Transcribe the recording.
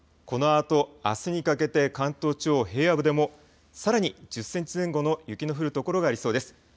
このあと、あすにかけて関東地方、平野部でも、さらに１０センチ前後の雪の降る所がありそうです。